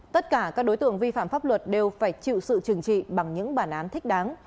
tất cả các đối tượng vi phạm pháp luật đều phải chịu sự trừng trị bằng những bản án thích đáng